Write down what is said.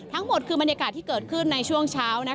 ทั้งหมดคือบรรยากาศที่เกิดขึ้นในช่วงเช้า